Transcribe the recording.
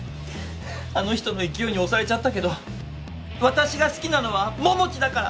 あの人の勢いに押されちゃったけど私が好きなのは桃地だから！